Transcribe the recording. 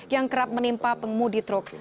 yang kerap menimpa pengemudi truk